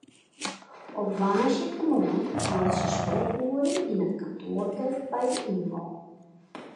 Op woansdeitemoarn hâldt se sprekoere yn it kantoarke by de yngong.